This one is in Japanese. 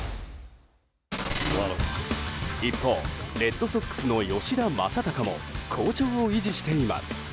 一方、レッドソックスの吉田正尚も好調を維持しています。